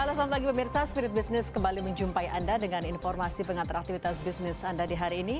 halo selamat pagi pemirsa spirit business kembali menjumpai anda dengan informasi pengatur aktivitas bisnis anda di hari ini